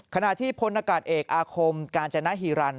ขณะที่พลอากาศเอกอาคมกาญจนฮีรันด